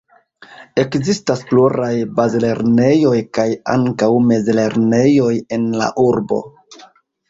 Ekzistas pluraj bazlernejoj kaj ankaŭ mezlernejoj en la urbo.